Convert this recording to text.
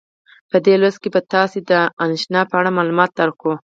په دې لوست کې به تاسې ته د انشأ په اړه معلومات درکړو.